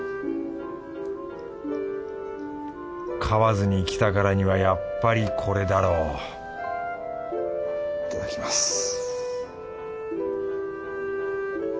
河津に来たからにはやっぱりこれだろういただきます。